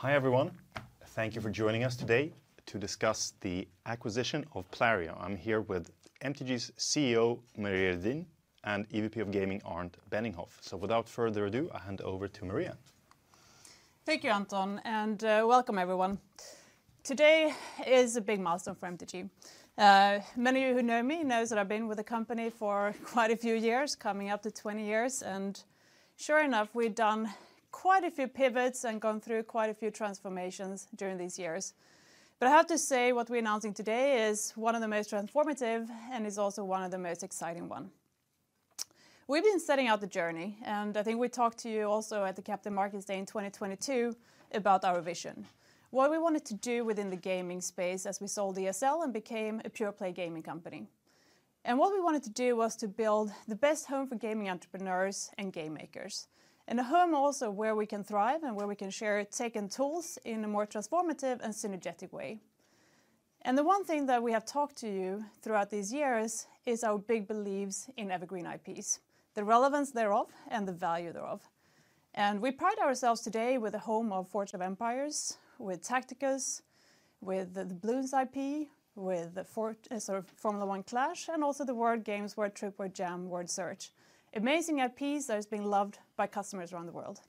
Hi everyone, thank you for joining us today to discuss the acquisition of Plarium. I'm here with MTG's CEO Maria Redin and EVP of Gaming, Arnd Benninghoff. Without further ado, I hand over to Maria. Thank you, Anton, and welcome everyone. Today is a big milestone for MTG. Many of you who know me know that I've been with the company for quite a few years, coming up to 20 years, and sure enough, we've done quite a few pivots and gone through quite a few transformations during these years. But I have to say what we're announcing today is one of the most transformative and is also one of the most exciting ones. We've been setting out on the journey, and I think we talked to you also at the Capital Markets Day in 2022 about our vision, what we wanted to do within the gaming space as we sold ESL and became a pure-play gaming company. What we wanted to do was to build the best home for gaming entrepreneurs and game makers, and a home also where we can thrive and where we can share tech and tools in a more transformative and synergetic way. The one thing that we have talked to you throughout these years is our big beliefs in evergreen IPs, the relevance thereof, and the value thereof. We pride ourselves today with a home of Forge of Empires, with Tacticus, with the Bloons IP, with the F1 Clash, and also the word games, Word Trip, Word Jam, Word Search. Amazing IPs that have been loved by customers around the world.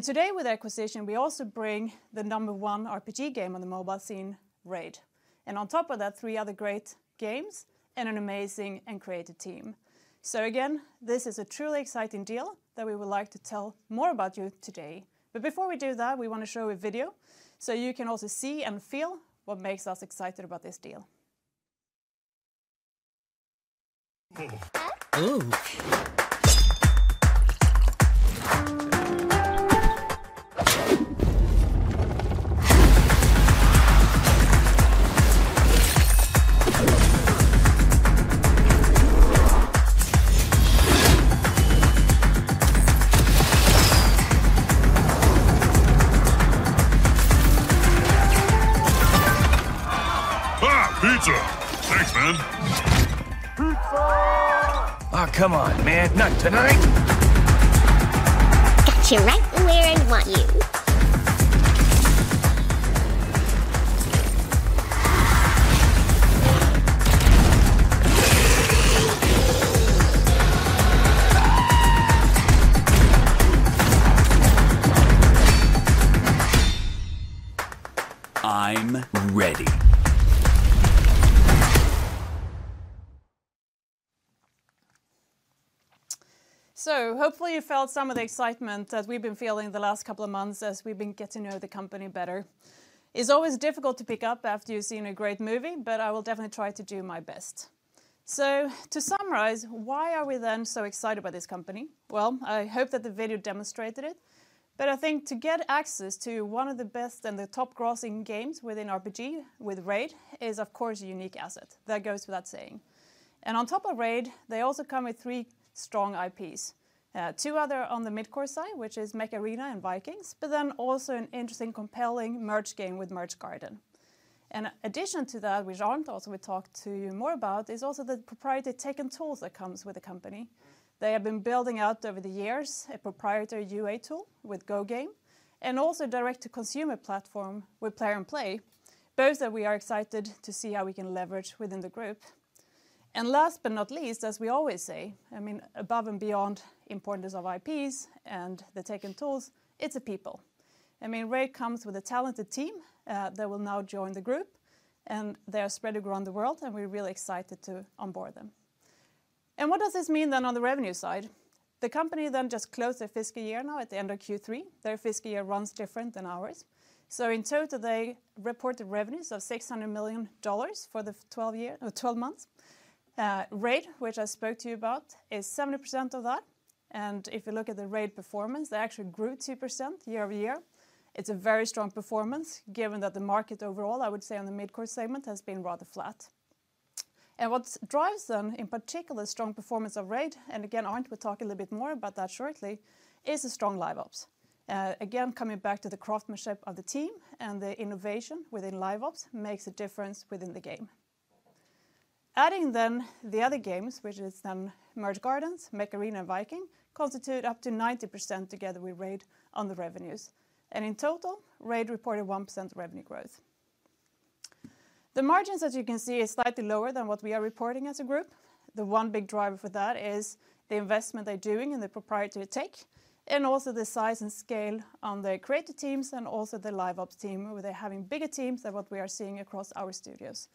Today, with the acquisition, we also bring the number one RPG game on the mobile scene, RAID. On top of that, three other great games and an amazing and creative team. So again, this is a truly exciting deal that we would like to tell you more about it today. But before we do that, we want to show a video so you can also see and feel what makes us excited about this deal. Pizza! Thanks, man. Pizza! Oh, come on, man. Not tonight. Got you right where I want you. I'm ready. Hopefully you felt some of the excitement that we've been feeling the last couple of months as we've been getting to know the company better. It's always difficult to pick up after you've seen a great movie, but I will definitely try to do my best. To summarize, why are we then so excited about this company? Well, I hope that the video demonstrated it, but I think to get access to one of the best and the top-grossing games within RPG with RAID is, of course, a unique asset. That goes without saying. And on top of RAID, they also come with three strong IPs. Two other on the mid-core side, which is Mech Arena and Vikings, but then also an interesting, compelling merge game with Merge Gardens. In addition to that, which Arnd also will talk to you more about, is also the proprietary tech and tools that come with the company. They have been building out over the years a proprietary UA tool with GoGame, and also a direct-to-consumer platform with Plarium Play, both that we are excited to see how we can leverage within the group. And last but not least, as we always say, I mean, above and beyond the importance of IPs and the tech and tools, it's the people. I mean, RAID comes with a talented team that will now join the group, and they are spread around the world, and we're really excited to onboard them. And what does this mean then on the revenue side? The company then just closed their fiscal year now at the end of Q3. Their fiscal year runs different than ours. So in total, they reported revenues of $600 million for the 12 months. RAID, which I spoke to you about, is 70% of that. And if you look at the RAID performance, they actually grew 2% year over year. It's a very strong performance, given that the market overall, I would say, on the mid-core segment has been rather flat. And what drives then, in particular, strong performance of RAID, and again, Arnd, we'll talk a little bit more about that shortly, is the strong LiveOps. Again, coming back to the craftsmanship of the team and the innovation within LiveOps makes a difference within the game. Adding then the other games, which is then Merge Gardens, Mech Arena, and Vikings, constitutes up to 90% together with RAID on the revenues. And in total, RAID reported 1% revenue growth. The margins, as you can see, are slightly lower than what we are reporting as a group. The one big driver for that is the investment they're doing and the proprietary tech, and also the size and scale on the creative teams and also the LiveOps team, where they're having bigger teams than what we are seeing across our studios.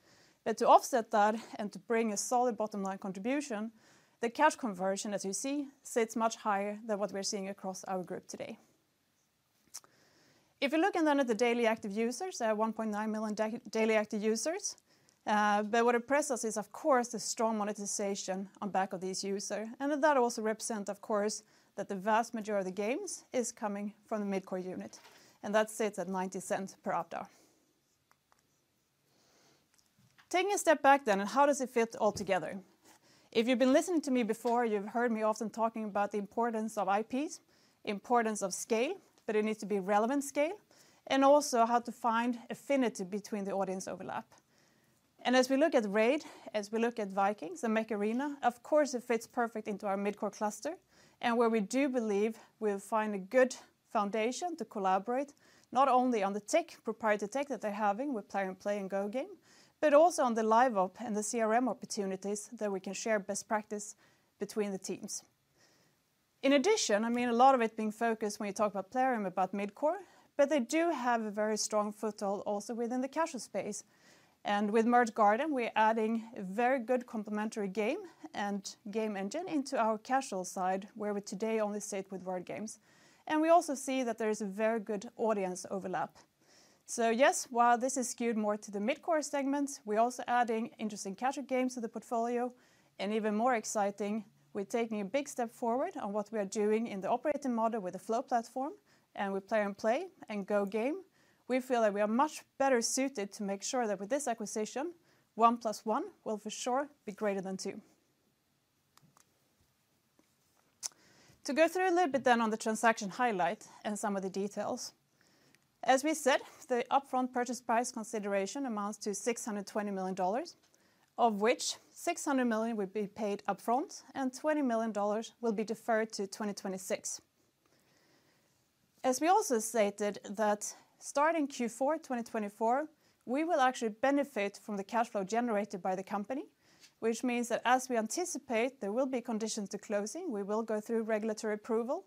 But to offset that and to bring a solid bottom-line contribution, the cash conversion, as you see, sits much higher than what we're seeing across our group today. If you're looking then at the daily active users, there are 1.9 million daily active users. But what impresses us is, of course, the strong monetization on the back of these users. And that also represents, of course, that the vast majority of the games is coming from the mid-core unit, and that sits at $0.90 per DAU. Taking a step back then, and how does it fit all together? If you've been listening to me before, you've heard me often talking about the importance of IPs, the importance of scale, but it needs to be relevant scale, and also how to find affinity between the audience overlap, and as we look at RAID, as we look at Vikings and Mech Arena, of course, it fits perfectly into our mid-core cluster, and where we do believe we'll find a good foundation to collaborate, not only on the tech, proprietary tech that they're having with Plarium Play and GoGame, but also on the LiveOps and the CRM opportunities that we can share best practice between the teams. In addition, I mean, a lot of it being focused when you talk about Plarium and about mid-core, but they do have a very strong foothold also within the casual space. And with Merge Gardens, we're adding a very good complementary game and game engine into our casual side, where we today only sit with word games. And we also see that there is a very good audience overlap. So yes, while this is skewed more to the mid-core segment, we're also adding interesting casual games to the portfolio. And even more exciting, we're taking a big step forward on what we are doing in the operating model with the Flow Platform, and with Plarium and Plarium Play and GoGame, we feel that we are much better suited to make sure that with this acquisition, one plus one will for sure be greater than two. To go through a little bit then on the transaction highlight and some of the details. As we said, the upfront purchase price consideration amounts to $620 million, of which $600 million will be paid upfront and $20 million will be deferred to 2026. As we also stated that starting Q4 2024, we will actually benefit from the cash flow generated by the company, which means that as we anticipate there will be conditions to closing, we will go through regulatory approval.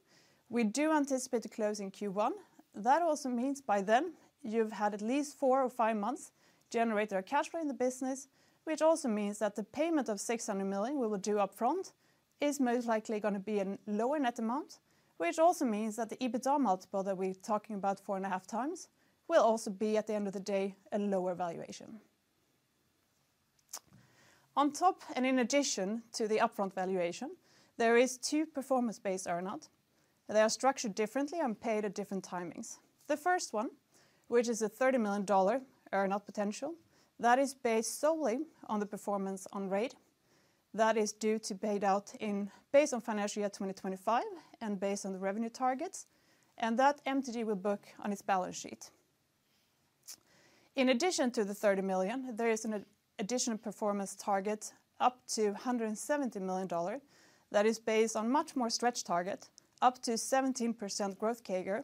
We do anticipate closing Q1. That also means by then you've had at least four or five months generating cash flow in the business, which also means that the payment of $600 million we will do upfront is most likely going to be a lower net amount, which also means that the EBITDA multiple that we're talking about four and a half times will also be at the end of the day a lower valuation. On top, and in addition to the upfront valuation, there are two performance-based earnouts. They are structured differently and paid at different timings. The first one, which is a $30 million earnout potential, that is based solely on the performance on RAID. That is due to be paid out based on financial year 2025 and based on the revenue targets, and that MTG will book on its balance sheet. In addition to the $30 million, there is an additional performance target up to $170 million that is based on a much more stretched target, up to 17% growth CAGR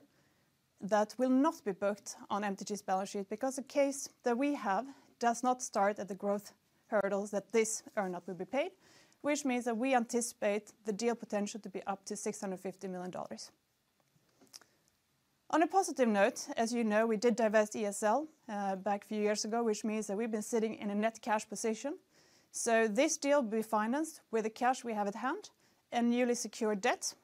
that will not be booked on MTG's balance sheet because the case that we have does not start at the growth hurdles that this earnout will be paid, which means that we anticipate the deal potential to be up to $650 million. On a positive note, as you know, we did divest ESL back a few years ago, which means that we've been sitting in a net cash position. So this deal will be financed with the cash we have at hand and newly secured debt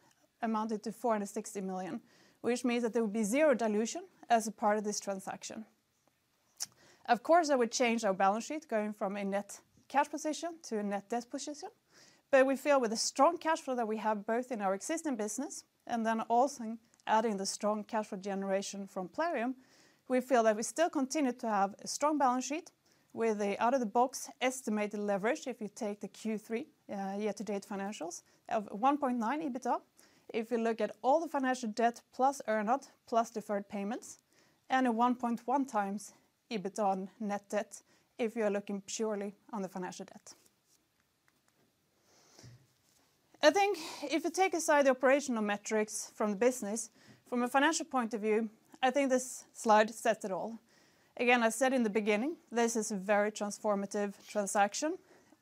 amounting to $460 million, which means that there will be zero dilution as a part of this transaction. Of course, that would change our balance sheet, going from a net cash position to a net debt position. But we feel with the strong cash flow that we have both in our existing business and then also adding the strong cash flow generation from Plarium, we feel that we still continue to have a strong balance sheet with the out-of-the-box estimated leverage, if you take the Q3 year-to-date financials, of 1.9 EBITDA if you look at all the financial debt plus earnout plus deferred payments, and a 1.1 times EBITDA on net debt if you're looking purely on the financial debt. I think if you take aside the operational metrics from the business, from a financial point of view, I think this slide sets it all. Again, I said in the beginning, this is a very transformative transaction,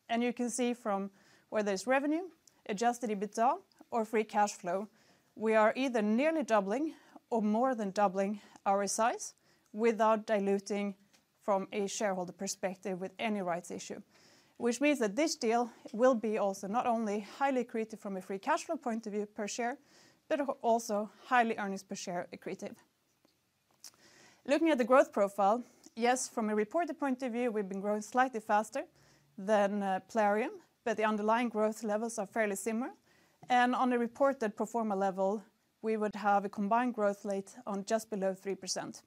and you can see from whether it's revenue, Adjusted EBITDA, or Free Cash Flow, we are either nearly doubling or more than doubling our size without diluting from a shareholder perspective with any rights issue, which means that this deal will be also not only highly accretive from a Free Cash Flow point of view per share, but also highly earnings per share accretive. Looking at the growth profile, yes, from a reported point of view, we've been growing slightly faster than Plarium, but the underlying growth levels are fairly similar, and on a reported pro forma level, we would have a combined growth rate of just below 3%.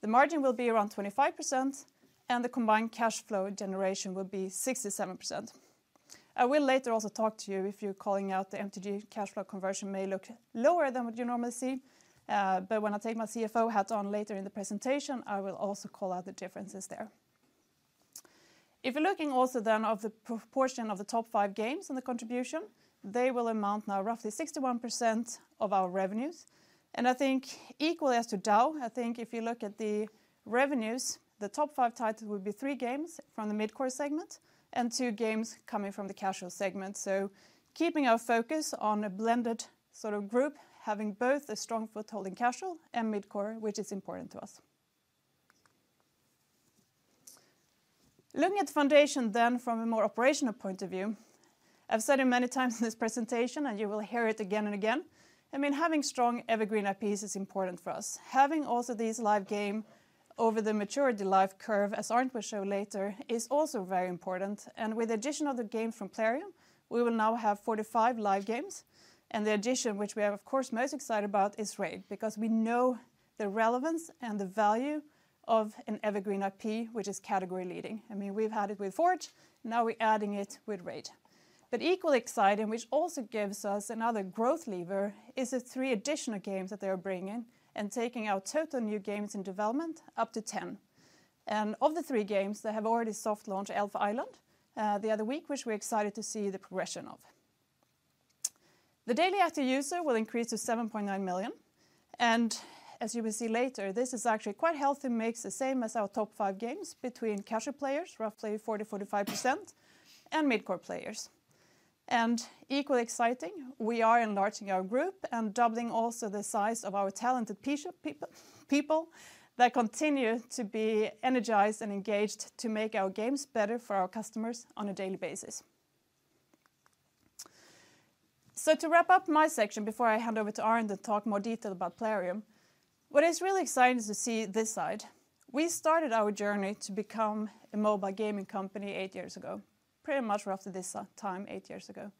The margin will be around 25%, and the combined cash flow generation will be 67%. I will later also talk to you if you're calling out the MTG cash flow conversion may look lower than what you normally see, but when I take my CFO hat on later in the presentation, I will also call out the differences there. If you're looking also then of the proportion of the top five games and the contribution, they will amount now roughly 61% of our revenues, and I think equally as to DAU, I think if you look at the revenues, the top five titles will be three games from the mid-core segment and two games coming from the casual segment, so keeping our focus on a blended sort of group, having both a strong foothold in casual and mid-core, which is important to us. Looking at the foundation then from a more operational point of view, I've said it many times in this presentation, and you will hear it again and again. I mean, having strong evergreen IPs is important for us. Having also these live games over the maturity life curve, as Arnd will show later, is also very important. And with the addition of the games from Plarium, we will now have 45 live games. And the addition, which we are, of course, most excited about, is RAID because we know the relevance and the value of an evergreen IP, which is category-leading. I mean, we've had it with Forge, now we're adding it with RAID. But equally exciting, which also gives us another growth lever, is the three additional games that they are bringing and taking our total new games in development up to 10. And of the three games, they have already soft-launched Elf Island the other week, which we're excited to see the progression of. The daily active user will increase to 7.9 million. And as you will see later, this is actually quite healthy mix the same as our top five games between casual players, roughly 40%-45%, and mid-core players. And equally exciting, we are enlarging our group and doubling also the size of our talented people that continue to be energized and engaged to make our games better for our customers on a daily basis. So to wrap up my section before I hand over to Arnd and talk more detail about Plarium, what is really exciting is to see this side. We started our journey to become a mobile gaming company eight years ago, pretty much roughly this time, eight years ago.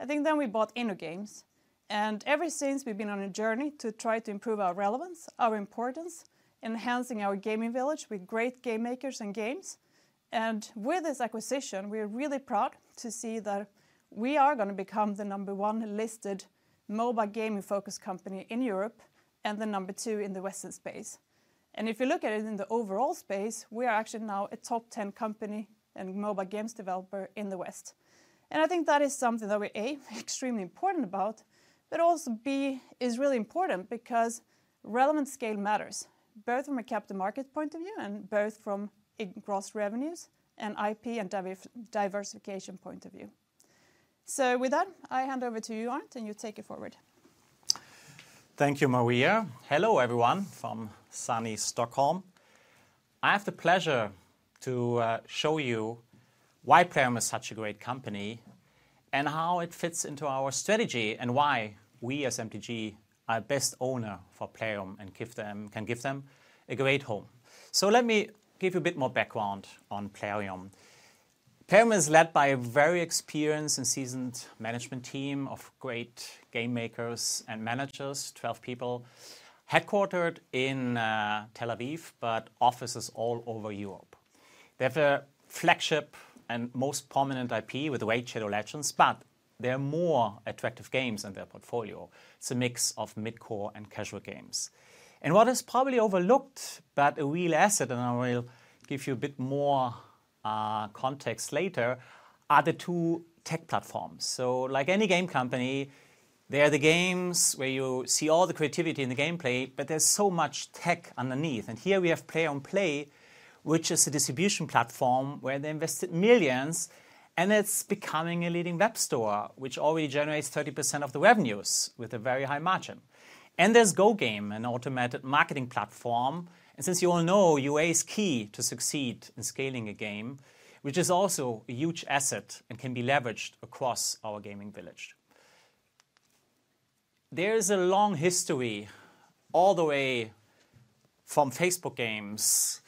I think then we bought InnoGames. And ever since we've been on a journey to try to improve our relevance, our importance, enhancing our gaming village with great game makers and games. And with this acquisition, we are really proud to see that we are going to become the number one listed mobile gaming-focused company in Europe and the number two in the Western space. And if you look at it in the overall space, we are actually now a top 10 company and mobile games developer in the West. And I think that is something that we are extremely proud about, but also is really important because relevant scale matters, both from a market cap point of view and both from gross revenues and IP and diversification point of view. So with that, I hand over to you, Arnd, and you take it forward. Thank you, Maria. Hello, everyone from sunny Stockholm. I have the pleasure to show you why Plarium is such a great company and how it fits into our strategy and why we as MTG are best owner for Plarium and can give them a great home. So let me give you a bit more background on Plarium. Plarium is led by a very experienced and seasoned management team of great game makers and managers, 12 people, headquartered in Tel Aviv, but offices all over Europe. They have a flagship and most prominent IP with RAID: Shadow Legends, but there are more attractive games in their portfolio. It's a mix of mid-core and casual games. And what is probably overlooked, but a real asset, and I will give you a bit more context later, are the two tech platforms. Like any game company, they are the games where you see all the creativity in the gameplay, but there's so much tech underneath. And here we have Plarium Play, which is a distribution platform where they invested millions, and it's becoming a leading web store, which already generates 30% of the revenues with a very high margin. And there's GoGame, an automated marketing platform. And since you all know, UA is key to succeed in scaling a game, which is also a huge asset and can be leveraged across our gaming village. There is a long history all the way from Facebook games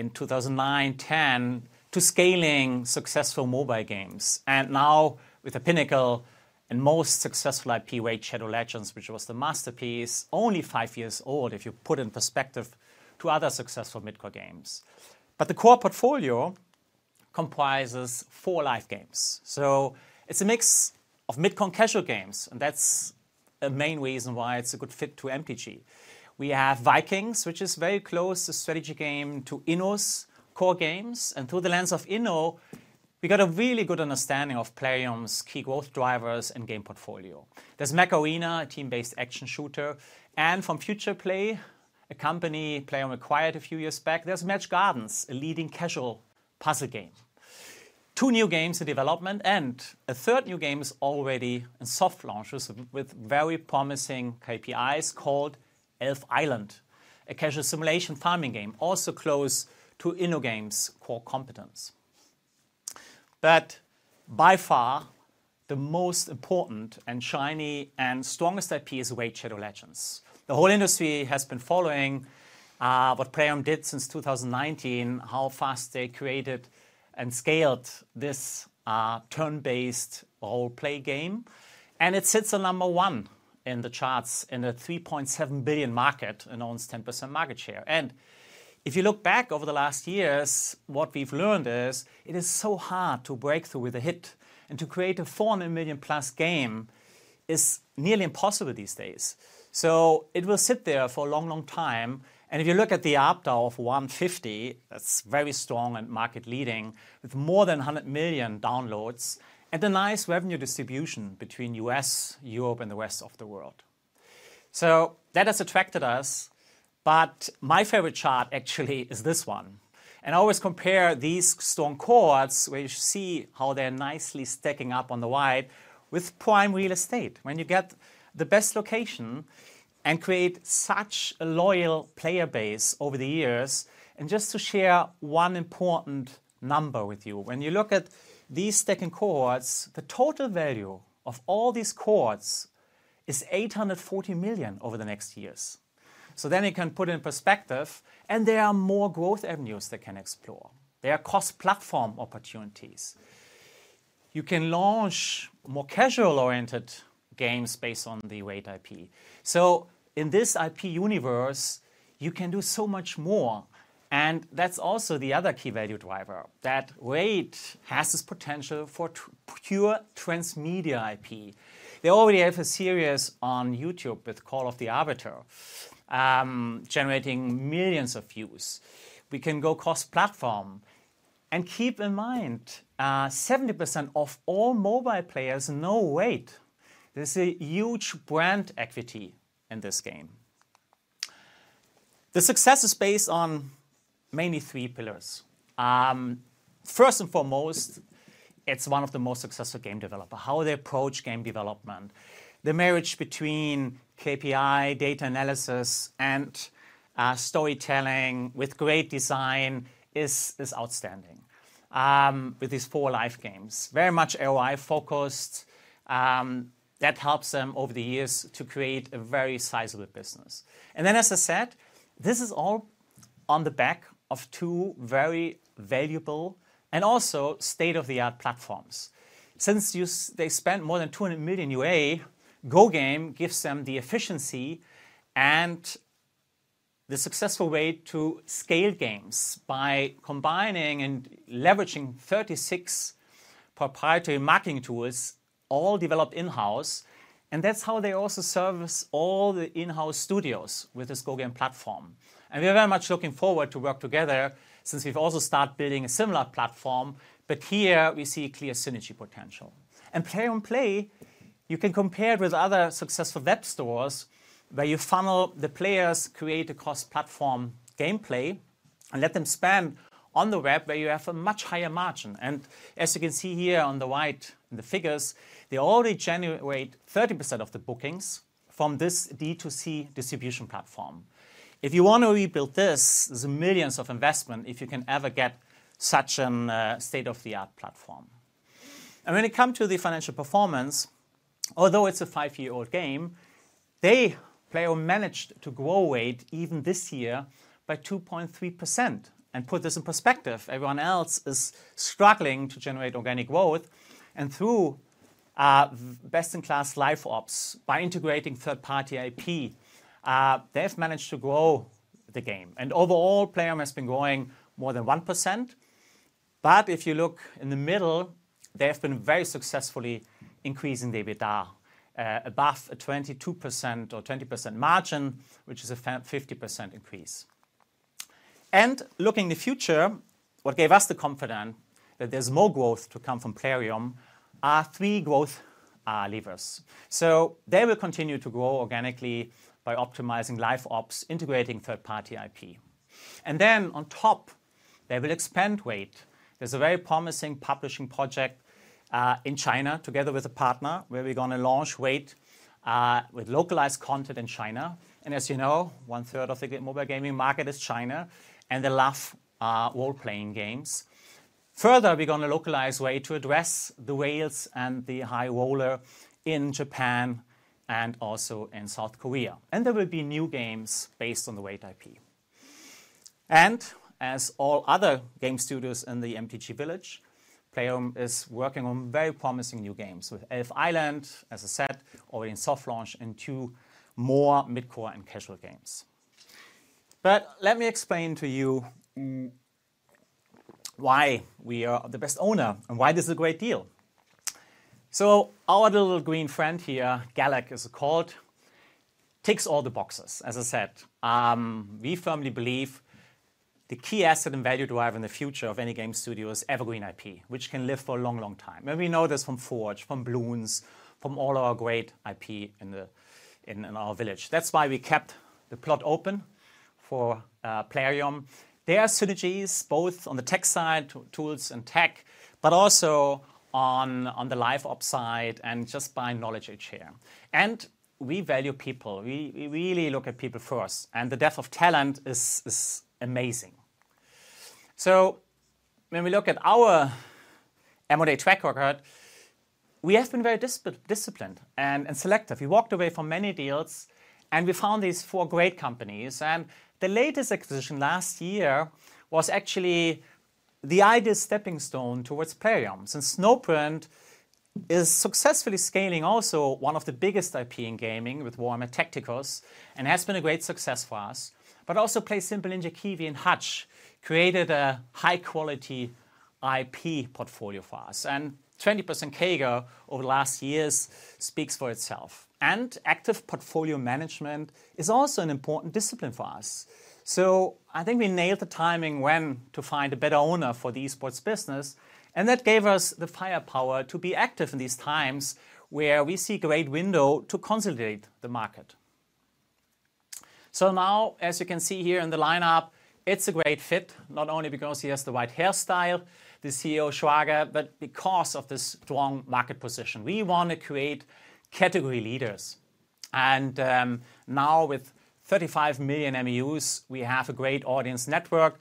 in 2009, 2010, to scaling successful mobile games. And now with a pinnacle and most successful IP, RAID: Shadow Legends, which was the masterpiece, only five years old if you put it in perspective to other successful mid-core games. But the core portfolio comprises four live games. So it's a mix of mid-core and casual games, and that's a main reason why it's a good fit to MTG. We have Vikings, which is very close to strategy game to Inno's core games. And through the lens of Inno, we got a really good understanding of Plarium's key growth drivers and game portfolio. There's Mech Arena, a team-based action shooter. And from Futureplay, a company Plarium acquired a few years back, there's Merge Gardens, a leading casual puzzle game. two new games in development and a third new game is already in soft launches with very promising KPIs called Elf Island, a casual simulation farming game also close to InnoGames' core competence. But by far, the most important and shiny and strongest IP is RAID: Shadow Legends. The whole industry has been following what Plarium did since 2019, how fast they created and scaled this turn-based role-play game. And it sits at number one in the charts in a $3.7 billion market and owns 10% market share. And if you look back over the last years, what we've learned is it is so hard to break through with a hit and to create a $400 million-plus game is nearly impossible these days. So it will sit there for a long, long time. And if you look at the ARPDAU of $150, that's very strong and market-leading with more than 100 million downloads and a nice revenue distribution between the U.S., Europe, and the rest of the world. So that has attracted us. But my favorite chart actually is this one. I always compare these cohorts where you see how they're nicely stacking up online with prime real estate. When you get the best location and create such a loyal player base over the years. Just to share one important number with you, when you look at these stacking cohorts, the total value of all these cohorts is 840 million over the next years. Then you can put it in perspective, and there are more growth avenues they can explore. There are cross-platform opportunities. You can launch more casual-oriented games based on the RAID IP. In this IP universe, you can do so much more. That's also the other key value driver that RAID has this potential for pure transmedia IP. They already have a series on YouTube with Call of the Arbiter, generating millions of views. We can go cross-platform. Keep in mind, 70% of all mobile players know RAID. There's a huge brand equity in this game. The success is based on mainly three pillars. First and foremost, it's one of the most successful game developers, how they approach game development. The marriage between KPI, data analysis, and storytelling with great design is outstanding with these four live games. Very much ROI-focused. That helps them over the years to create a very sizable business. Then, as I said, this is all on the back of two very valuable and also state-of-the-art platforms. Since they spent more than $200 million UA, GoGame gives them the efficiency and the successful way to scale games by combining and leveraging 36 proprietary marketing tools, all developed in-house. And that's how they also service all the in-house studios with this GoGame platform. We are very much looking forward to work together since we've also started building a similar platform. But here we see clear synergy potential. And Plarium Play, you can compare it with other successful web stores where you funnel the players' created cross-platform gameplay and let them spend on the web where you have a much higher margin. And as you can see here on the slide in the figures, they already generate 30% of the bookings from this D2C distribution platform. If you want to rebuild this, there's millions of investment if you can ever get such a state-of-the-art platform. And when it comes to the financial performance, although it's a five-year-old game, they managed to grow rate even this year by 2.3%. And put this in perspective, everyone else is struggling to generate organic growth. Through best-in-class LiveOps, by integrating third-party IP, they have managed to grow the game. Overall, Plarium has been growing more than 1%. If you look in the middle, they have been very successfully increasing their EBITDA above a 22% or 20% margin, which is a 50% increase. Looking in the future, what gave us the confidence that there's more growth to come from Plarium are three growth levers. They will continue to grow organically by optimizing Live Ops, integrating third-party IP. On top, they will expand RAID. There's a very promising publishing project in China together with a partner where we're going to launch RAID with localized content in China. As you know, one-third of the mobile gaming market is China and they love role-playing games. Further, we're going to localize RAID to address the whales and the high rollers in Japan and also in South Korea. And there will be new games based on the RAID IP. And as all other game studios in the MTG village, Plarium is working on very promising new games with Elf Island, as I said, already in soft launch and two more mid-core and casual games. But let me explain to you why we are the best owner and why this is a great deal. So our little green friend here, Galek is called, ticks all the boxes, as I said. We firmly believe the key asset and value driver in the future of any game studio is evergreen IP, which can live for a long, long time. And we know this from Forge, from Bloons, from all our great IP in our village. That's why we kept the slot open for Plarium. There are synergies both on the tech side, tools and tech, but also on the LiveOps side and just buying knowledge each year, and we value people. We really look at people first, and the depth of talent is amazing, so when we look at our M&A track record, we have been very disciplined and selective. We walked away from many deals and we found these four great companies, and the latest acquisition last year was actually the ideal stepping stone towards Plarium. Since Snowprint is successfully scaling also one of the biggest IP in gaming with Warhammer Tacticus and has been a great success for us, but also PlaySimple Ninja Kiwi and Hutch created a high-quality IP portfolio for us, and 20% CAGR over the last years speaks for itself. Active portfolio management is also an important discipline for us. So I think we nailed the timing when to find a better owner for the esports business. And that gave us the firepower to be active in these times where we see a great window to consolidate the market. So now, as you can see here in the lineup, it's a great fit, not only because he has the right hairstyle, the CEO, Schraga, but because of this strong market position. We want to create category leaders. And now with 35 million MAUs, we have a great audience network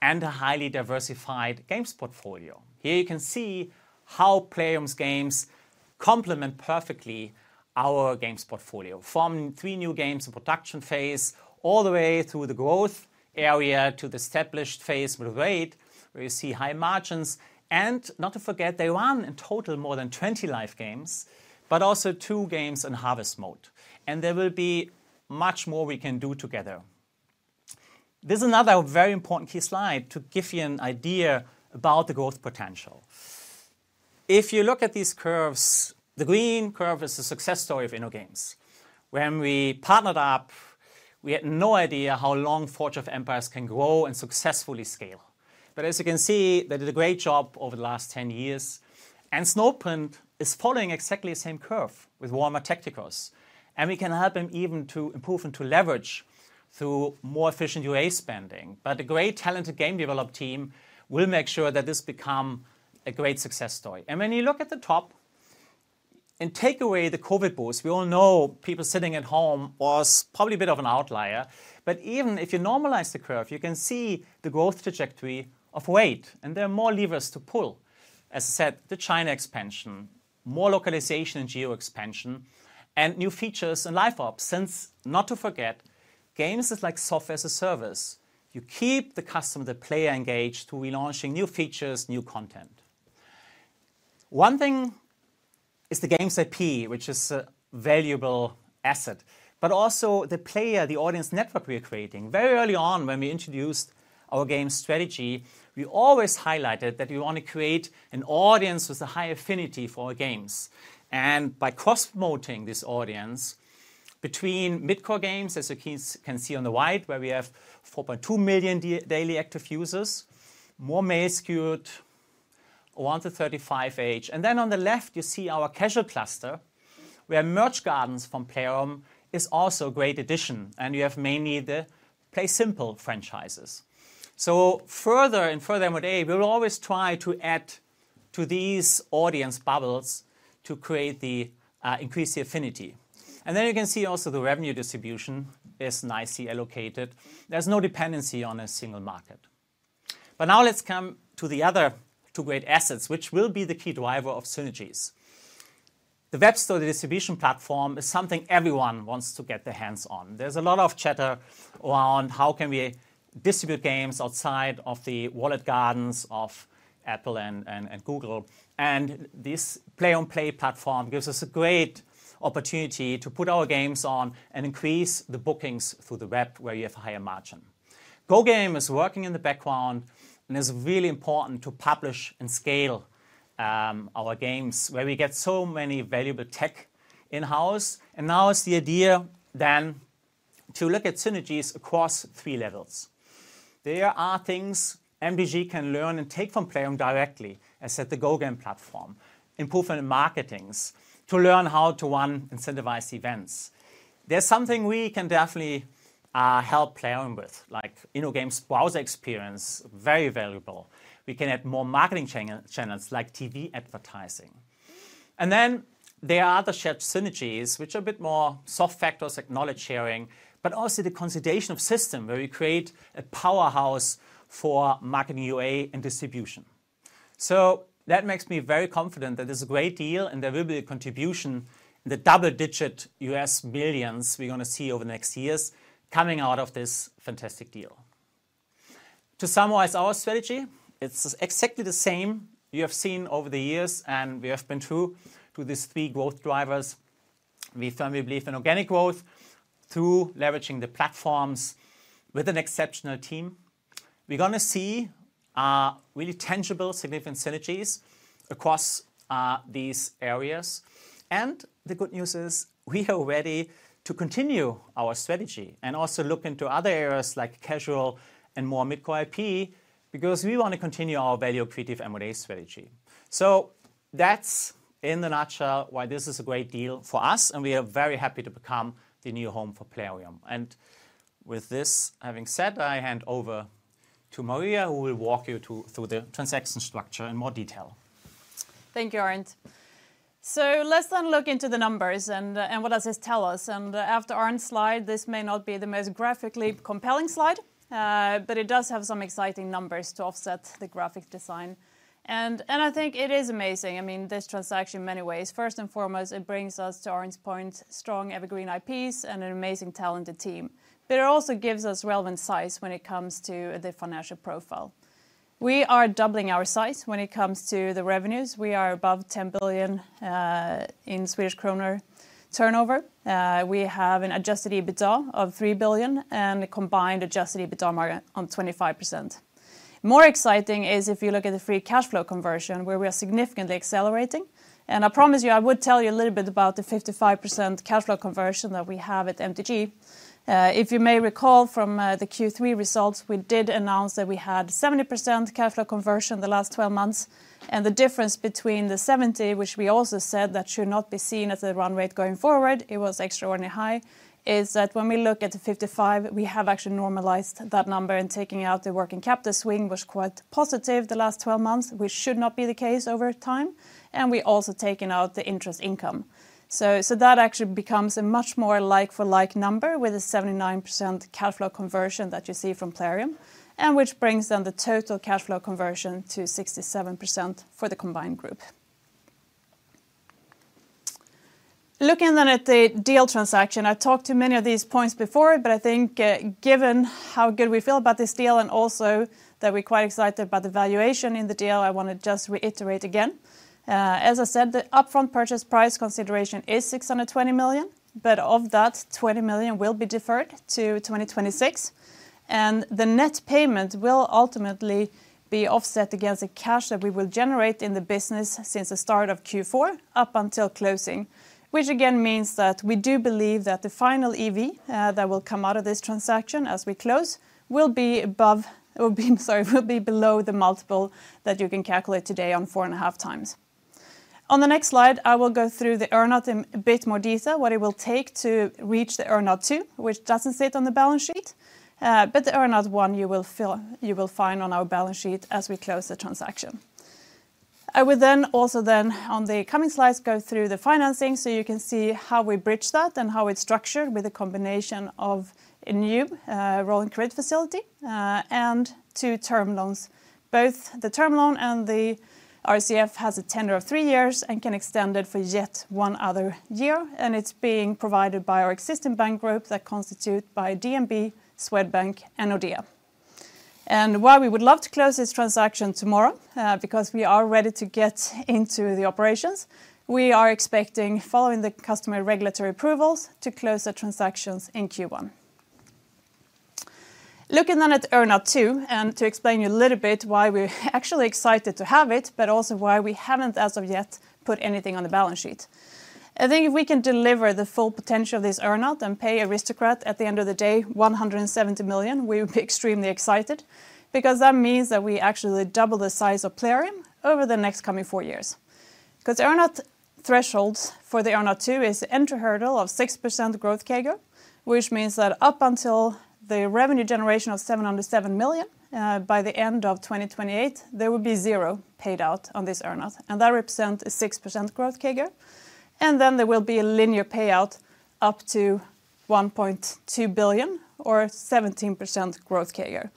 and a highly diversified games portfolio. Here you can see how Plarium's games complement perfectly our games portfolio from three new games in production phase all the way through the growth area to the established phase with RAID, where you see high margins. Not to forget, they run in total more than 20 live games, but also two games in harvest mode. There will be much more we can do together. There's another very important key slide to give you an idea about the growth potential. If you look at these curves, the green curve is the success story of InnoGames. When we partnered up, we had no idea how long Forge of Empires can grow and successfully scale. As you can see, they did a great job over the last 10 years. Snowprint is following exactly the same curve with Warhammer Tacticus. We can help them even to improve and to leverage through more efficient UA spending. A great talented game development team will make sure that this becomes a great success story. When you look at the top and take away the COVID boost, we all know people sitting at home were probably a bit of an outlier. Even if you normalize the curve, you can see the growth trajectory of RAID. There are more levers to pull. As I said, the China expansion, more localization and geo-expansion, and new features and LiveOps. And not to forget, games are like software as a service. You keep the customer, the player engaged by relaunching new features, new content. One thing is the games IP, which is a valuable asset, but also the player, the audience network we are creating. Very early on, when we introduced our game strategy, we always highlighted that we want to create an audience with a high affinity for our games. By cross-promoting this audience between mid-core games, as you can see on the slide, where we have 4.2 million daily active users, more male-skewed, one to 35 age. Then on the left, you see our casual cluster, where Merge Gardens from Plarium is also a great addition. You have mainly the PlaySimple franchises. So with further M&A, we will always try to add to these audience bubbles to create and increase the affinity. You can see also the revenue distribution is nicely allocated. There's no dependency on a single market. Now let's come to the other two great assets, which will be the key driver of synergies. The Web Store, the distribution platform, is something everyone wants to get their hands on. There's a lot of chatter around how can we distribute games outside of the walled gardens of Apple and Google. This Plarium Play platform gives us a great opportunity to put our games on and increase the bookings through the web where you have a higher margin. GoGame is working in the background, and it's really important to publish and scale our games where we get so many valuable tech in-house. Now it's the idea then to look at synergies across three levels. There are things MTG can learn and take from Plarium directly, as said the GoGame platform, improvement in marketing to learn how to run incentivized events. There's something we can definitely help Plarium with, like InnoGames' browser experience, very valuable. We can add more marketing channels like TV advertising. Then there are other shared synergies, which are a bit more soft factors like knowledge sharing, but also the consolidation of systems where we create a powerhouse for marketing UA and distribution. That makes me very confident that it's a great deal and there will be a contribution in the double-digit billions we're going to see over the next years coming out of this fantastic deal. To summarize our strategy, it's exactly the same you have seen over the years, and we have been true to these three growth drivers. We firmly believe in organic growth through leveraging the platforms with an exceptional team. We're going to see really tangible, significant synergies across these areas. The good news is we are ready to continue our strategy and also look into other areas like casual and more mid-core IP because we want to continue our value creative M&A strategy. That's in a nutshell why this is a great deal for us, and we are very happy to become the new home for Plarium. With this having said, I hand over to Maria, who will walk you through the transaction structure in more detail. Thank you, Arnd. Let's then look into the numbers and what does this tell us. After Arnd's slide, this may not be the most graphically compelling slide, but it does have some exciting numbers to offset the graphic design. I think it is amazing. I mean, this transaction in many ways. First and foremost, it brings us to Arnd's point, strong evergreen IPs and an amazing talented team. But it also gives us relevant size when it comes to the financial profile. We are doubling our size when it comes to the revenues. We are above 10 billion in turnover. We have an Adjusted EBITDA of 3 billion and a combined Adjusted EBITDA margin of 25%. More exciting is if you look at the Free Cash Flow conversion, where we are significantly accelerating. And I promise you, I would tell you a little bit about the 55% cash flow conversion that we have at MTG. If you may recall from the Q3 results, we did announce that we had 70% cash flow conversion the last 12 months. The difference between the 70, which we also said that should not be seen as a run rate going forward, it was extraordinarily high, is that when we look at the 55, we have actually normalized that number and taken out the working capital swing, which was quite positive the last 12 months, which should not be the case over time. And we also taken out the interest income. So that actually becomes a much more like-for-like number with a 79% cash flow conversion that you see from Plarium, and which brings then the total cash flow conversion to 67% for the combined group. Looking then at the deal transaction, I talked to many of these points before, but I think given how good we feel about this deal and also that we're quite excited about the valuation in the deal, I want to just reiterate again. As I said, the upfront purchase price consideration is 620 million, but of that, 20 million will be deferred to 2026, and the net payment will ultimately be offset against the cash that we will generate in the business since the start of Q4 up until closing, which again means that we do believe that the final EV that will come out of this transaction as we close will be above, sorry, will be below the multiple that you can calculate today on four and a half times. On the next slide, I will go through the earn-out in a bit more detail, what it will take to reach the earn-out two, which doesn't sit on the balance sheet, but the earn-out one you will find on our balance sheet as we close the transaction. I will then also on the coming slides go through the financing so you can see how we bridge that and how it's structured with a combination of a new revolving credit facility and two term loans. Both the term loan and the RCF has a tenor of three years and can extend it for yet one other year. It's being provided by our existing bank group that is constituted by DNB, Swedbank, and Nordea. While we would love to close this transaction tomorrow because we are ready to get into the operations, we are expecting, following the customary regulatory approvals, to close the transactions in Q1. Looking then at earn-out, too, and to explain to you a little bit why we're actually excited to have it, but also why we haven't as of yet put anything on the balance sheet. I think if we can deliver the full potential of this earn-out and pay Aristocrat at the end of the day 170 million, we would be extremely excited because that means that we actually double the size of Plarium over the next coming four years. Because the earn-out threshold for the earn-out too is an entry hurdle of 6% growth CAGR, which means that up until the revenue generation of 707 million by the end of 2028, there will be zero paid out on this earn-out. And that represents a 6% growth CAGR. And then there will be a linear payout up to 1.2 billion or 17% growth CAGR,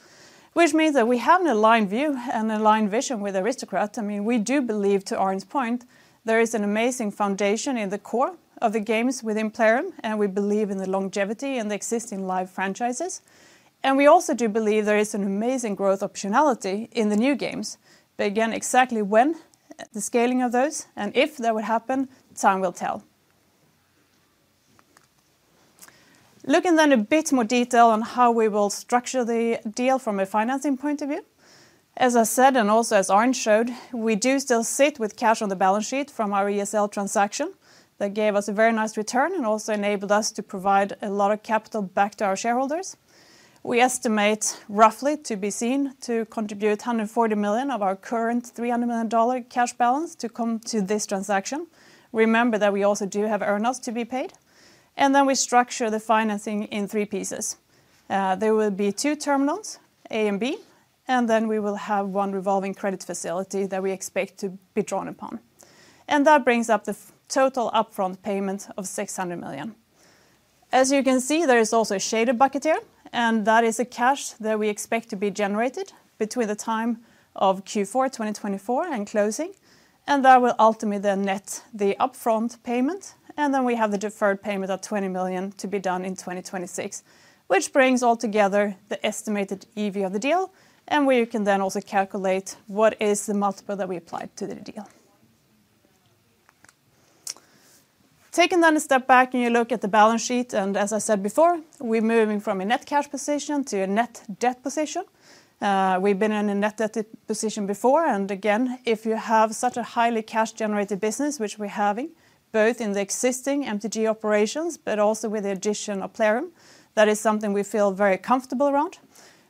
which means that we have an aligned view and an aligned vision with Aristocrat. I mean, we do believe, to Arnd's point, there is an amazing foundation in the core of the games within Plarium, and we believe in the longevity and the existing live franchises, and we also do believe there is an amazing growth optionality in the new games. But again, exactly when the scaling of those and if that would happen, time will tell. Looking then a bit more detail on how we will structure the deal from a financing point of view. As I said, and also as Arnd showed, we do still sit with cash on the balance sheet from our ESL transaction that gave us a very nice return and also enabled us to provide a lot of capital back to our shareholders. We estimate roughly to be seen to contribute $140 million of our current $300 million cash balance to come to this transaction. Remember that we also do have earn-outs to be paid. And then we structure the financing in three pieces. There will be two term loans, A and B, and then we will have one revolving credit facility that we expect to be drawn upon. And that brings up the total upfront payment of 600 million. As you can see, there is also a shaded bucket here, and that is the cash that we expect to be generated between the time of Q4 2024 and closing. And that will ultimately net the upfront payment. And then we have the deferred payment of 20 million to be done in 2026, which brings all together the estimated EV of the deal, and where you can then also calculate what is the multiple that we applied to the deal. Taking then a step back and you look at the balance sheet, and as I said before, we're moving from a net cash position to a net debt position. We've been in a net debt position before. And again, if you have such a highly cash-generated business, which we're having both in the existing MTG operations, but also with the addition of Plarium, that is something we feel very comfortable around.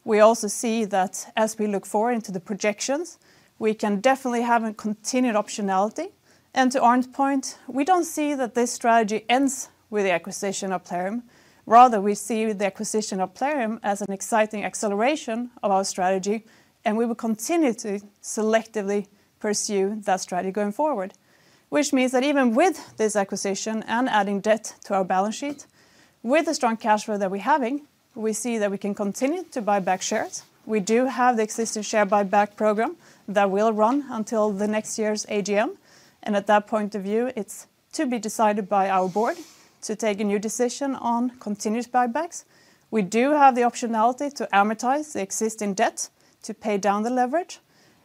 We also see that as we look forward into the projections, we can definitely have a continued optionality. And to Arnd's point, we don't see that this strategy ends with the acquisition of Plarium. Rather, we see the acquisition of Plarium as an exciting acceleration of our strategy, and we will continue to selectively pursue that strategy going forward, which means that even with this acquisition and adding debt to our balance sheet, with the strong cash flow that we're having, we see that we can continue to buy back shares. We do have the existing share buyback program that will run until the next year's AGM, and at that point of view, it's to be decided by our board to take a new decision on continued buybacks. We do have the optionality to amortize the existing debt to pay down the leverage,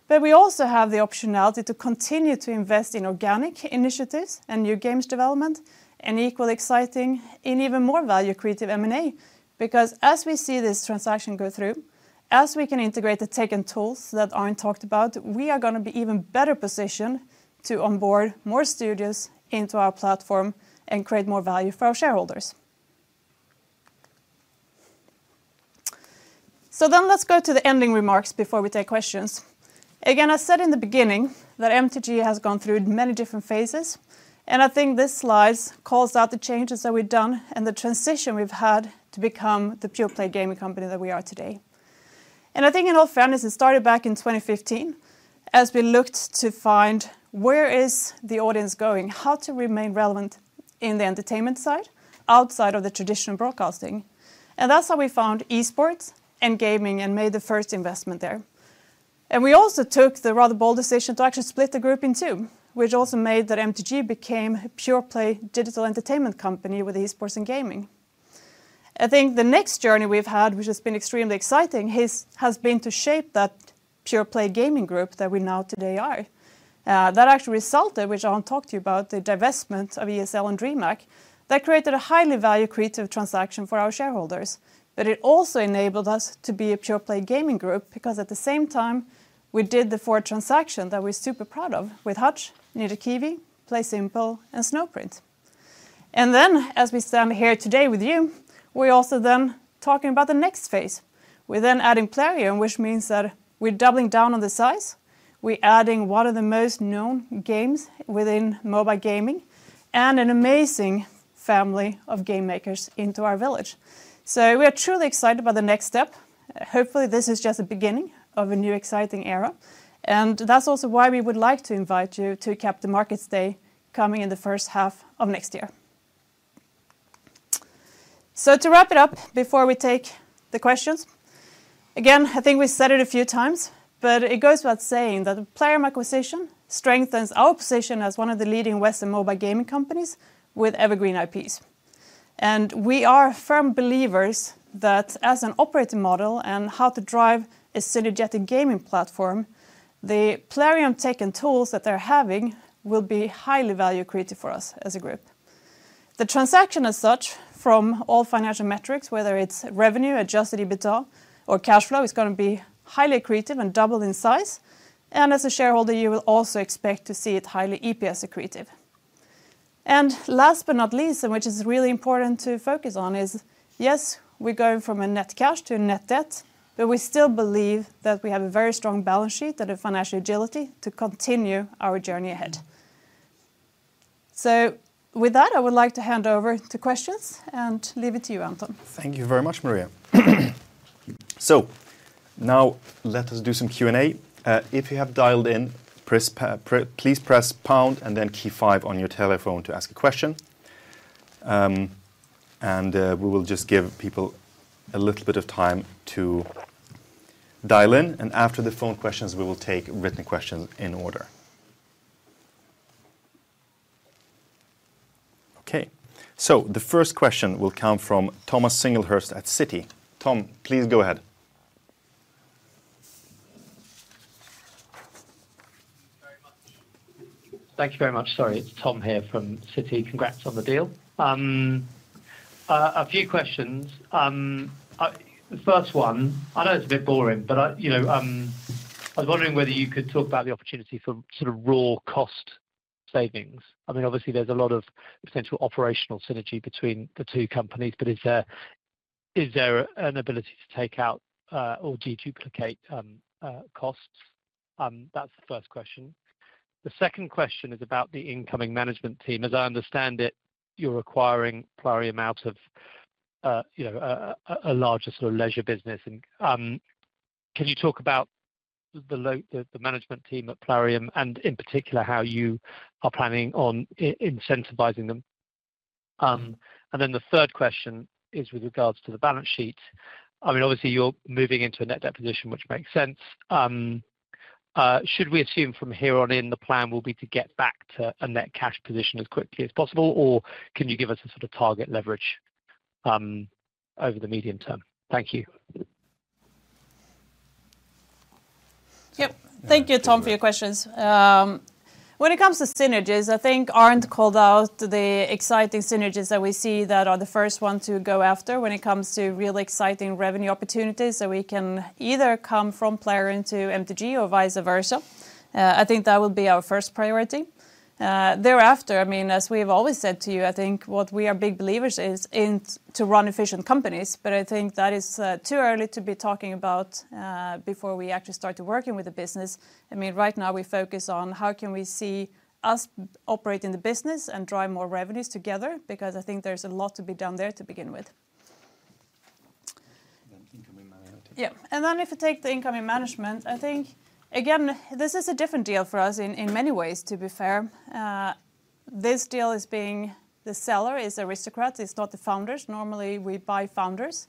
but we also have the optionality to continue to invest in organic initiatives and new games development and equally exciting and even more value creative M&A because as we see this transaction go through, as we can integrate the tech and tools that Arnd talked about, we are going to be even better positioned to onboard more studios into our platform and create more value for our shareholders. So then let's go to the ending remarks before we take questions. Again, I said in the beginning that MTG has gone through many different phases, and I think this slide calls out the changes that we've done and the transition we've had to become the pure play gaming company that we are today. I think in all fairness, it started back in 2015 as we looked to find where is the audience going, how to remain relevant in the entertainment side outside of the traditional broadcasting. And that's how we found esports and gaming and made the first investment there. And we also took the rather bold decision to actually split the group in two, which also made that MTG became a pure play digital entertainment company with esports and gaming. I think the next journey we've had, which has been extremely exciting, has been to shape that pure play gaming group that we now today are. That actually resulted, which Arnd talked to you about, the divestment of ESL and DreamHack that created a highly value creative transaction for our shareholders. But it also enabled us to be a pure play gaming group because at the same time, we did the four transactions that we're super proud of with Hutch, Ninja Kiwi, PlaySimple, and Snowprint. And then as we stand here today with you, we're also then talking about the next phase. We're then adding Plarium, which means that we're doubling down on the size. We're adding one of the most known games within mobile gaming and an amazing family of game makers into our village. So we are truly excited about the next step. Hopefully, this is just the beginning of a new exciting era. And that's also why we would like to invite you to Capital Markets Day coming in the first half of next year. So to wrap it up before we take the questions, again, I think we said it a few times, but it goes without saying that the Plarium acquisition strengthens our position as one of the leading Western mobile gaming companies with evergreen IPs. And we are firm believers that as an operating model and how to drive a synergetic gaming platform, the Plarium tech and tools that they're having will be highly value creative for us as a group. The transaction as such from all financial metrics, whether it's revenue, Adjusted EBITDA, or cash flow, is going to be highly accretive and double in size. And as a shareholder, you will also expect to see it highly EPS accretive. Last but not least, and which is really important to focus on, is yes, we're going from a net cash to a net debt, but we still believe that we have a very strong balance sheet and a financial agility to continue our journey ahead. With that, I would like to hand over to questions and leave it to you, Anton. Thank you very much, Maria. Now let us do some Q&A. If you have dialed in, please press pound and then key five on your telephone to ask a question. We will just give people a little bit of time to dial in. After the phone questions, we will take written questions in order. Okay. The first question will come from Thomas Singlehurst at Citi. Tom, please go ahead. Thank you very much. Sorry, it's Tom here from Citi. Congrats on the deal. A few questions. The first one, I know it's a bit boring, but I was wondering whether you could talk about the opportunity for sort of raw cost savings. I mean, obviously, there's a lot of potential operational synergy between the two companies, but is there an ability to take out or deduplicate costs? That's the first question. The second question is about the incoming management team. As I understand it, you're acquiring Plarium out of a larger sort of leisure business. Can you talk about the management team at Plarium and in particular how you are planning on incentivizing them? And then the third question is with regards to the balance sheet. I mean, obviously, you're moving into a net debt position, which makes sense. Should we assume from here on in the plan will be to get back to a net cash position as quickly as possible, or can you give us a sort of target leverage over the medium term? Thank you. Yep. Thank you, Tom, for your questions. When it comes to synergies, I think Arnd called out the exciting synergies that we see that are the first one to go after when it comes to real exciting revenue opportunities that we can either come from Plarium to MTG or vice versa. I think that will be our first priority. Thereafter, I mean, as we've always said to you, I think what we are big believers in is to run efficient companies, but I think that is too early to be talking about before we actually start to work with the business. I mean, right now we focus on how can we see us operating the business and drive more revenues together because I think there's a lot to be done there to begin with. Yeah, and then if you take the incoming management, I think, again, this is a different deal for us in many ways, to be fair. This deal is, being the seller, is Aristocrat. It's not the founders. Normally, we buy founders,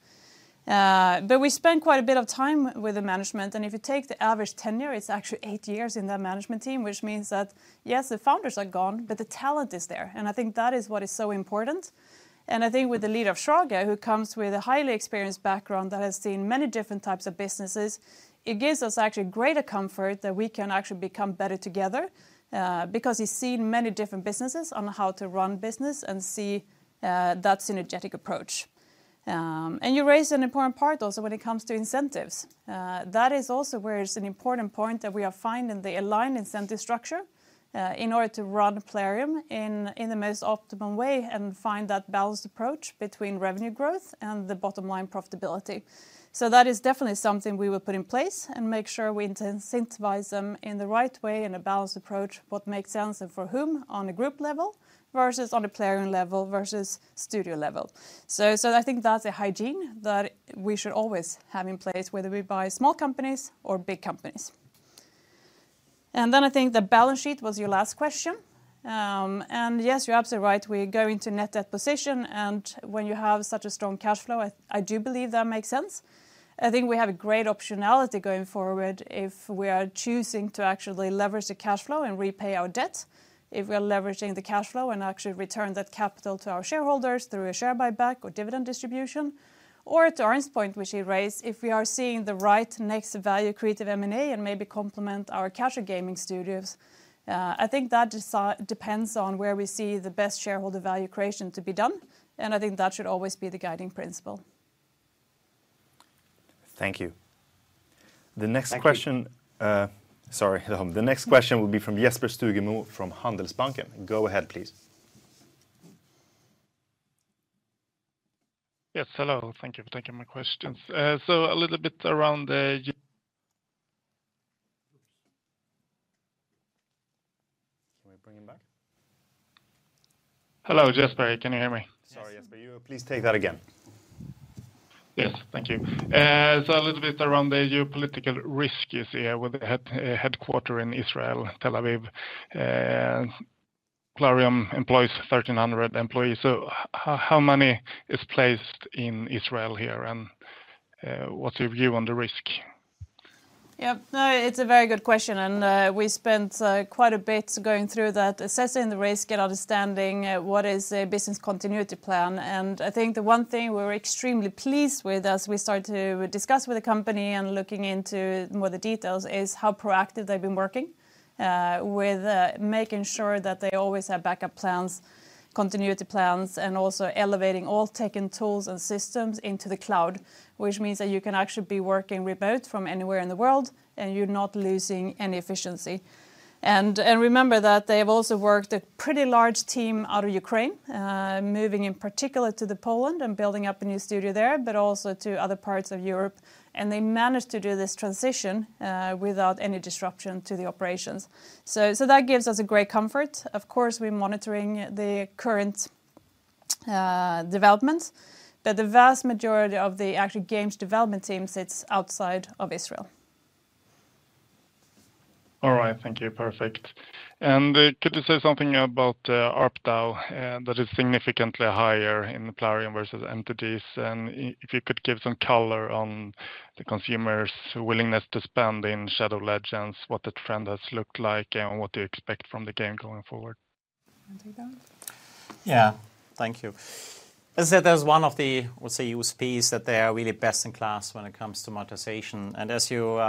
but we spend quite a bit of time with the management. And if you take the average tenure, it's actually eight years in that management team, which means that, yes, the founders are gone, but the talent is there. And I think that is what is so important. I think with the lead of Schraga, who comes with a highly experienced background that has seen many different types of businesses, it gives us actually greater comfort that we can actually become better together because he's seen many different businesses on how to run business and see that synergetic approach. You raised an important part also when it comes to incentives. That is also where it's an important point that we are finding the aligned incentive structure in order to run Plarium in the most optimum way and find that balanced approach between revenue growth and the bottom line profitability. That is definitely something we will put in place and make sure we incentivize them in the right way and a balanced approach, what makes sense and for whom on a group level versus on a Plarium level versus studio level. So I think that's a hygiene that we should always have in place, whether we buy small companies or big companies. And then I think the balance sheet was your last question. And yes, you're absolutely right. We're going to net debt position. And when you have such a strong cash flow, I do believe that makes sense. I think we have a great optionality going forward if we are choosing to actually leverage the cash flow and repay our debt, if we are leveraging the cash flow and actually return that capital to our shareholders through a share buyback or dividend distribution, or to Arnd's point, which he raised, if we are seeing the right next value creative M&A and maybe complement our casual gaming studios. I think that depends on where we see the best shareholder value creation to be done. I think that should always be the guiding principle. Thank you. The next question, sorry, the next question will be from Jesper Stugemo from Handelsbanken. Go ahead, please. Yes, hello. Thank you for taking my questions. So a little bit around the geopolitical risk you see here with the headquarters in Israel, Tel Aviv. Plarium employs 1,300 employees. So how many is placed in Israel here? And what's your view on the risk? Yep. No, it's a very good question. And we spent quite a bit going through that, assessing the risk and understanding what is a business continuity plan. I think the one thing we're extremely pleased with as we start to discuss with the company and looking into more of the details is how proactive they've been working with making sure that they always have backup plans, continuity plans, and also elevating all tech and tools and systems into the cloud, which means that you can actually be working remote from anywhere in the world and you're not losing any efficiency. Remember that they have also worked a pretty large team out of Ukraine, moving in particular to Poland and building up a new studio there, but also to other parts of Europe. They managed to do this transition without any disruption to the operations. That gives us a great comfort. Of course, we're monitoring the current developments, but the vast majority of the actual games development team sits outside of Israel. All right. Thank you. Perfect. Could you say something about the ARPDAU that is significantly higher in Plarium versus MTG's? And if you could give some color on the consumers' willingness to spend in Shadow Legends, what the trend has looked like and what do you expect from the game going forward? Yeah. Thank you. As I said, there's one of the, I would say, USPs that they are really best in class when it comes to monetization. And as you